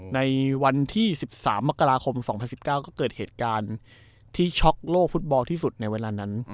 ในวันที่๑๓มกราคม๒๐๑๙ก็เกิดเหตุการณ์ที่ช็อกโลกฟุตบอลที่สุดในเวลานั้น